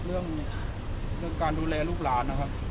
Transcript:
ก็อยากจะฝากเรื่องการดูแลลูกหลานนะครับ